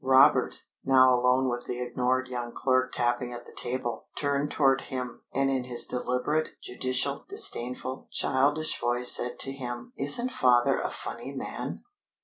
Robert, now alone with the ignored young clerk tapping at the table, turned toward him, and in his deliberate, judicial, disdainful, childish voice said to him: "Isn't Father a funny man?"